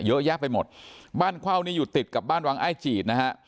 เยอะแยะไปหมดบ้านเข้านี่อยู่ติดกับบ้านวังอ้ายจีดนะฮะ